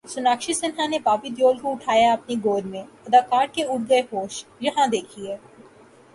سوناکشی سنہا نے بابی دیول کو اٹھایا اپنی گود میں اداکار کے اڑ گئے ہوش، یہاں دیکھئے